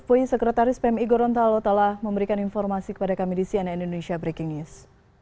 pui sekretaris pmi gorontalo telah memberikan informasi kepada kami di cnn indonesia breaking news